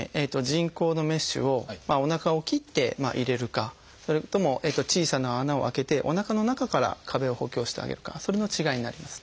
人工のメッシュをおなかを切って入れるかそれとも小さな穴を開けておなかの中から壁を補強してあげるかそれの違いになります。